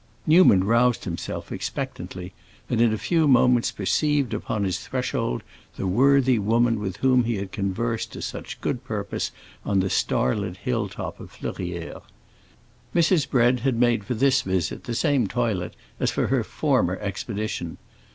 Newman roused himself, expectantly, and in a few moments perceived upon his threshold the worthy woman with whom he had conversed to such good purpose on the starlit hill top of Fleurières. Mrs. Bread had made for this visit the same toilet as for her former expedition.